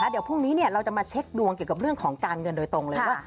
เดี๋ยวพรุ่งนี้เราจะมาเช็คดวงเกี่ยวกับเรื่องของการเงินโดยตรงเลยว่า